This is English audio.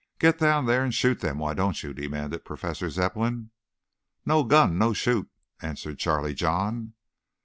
"Get down there and shoot them, why don't you?" demanded Professor Zepplin. "No gun, no shoot," answered Charlie John.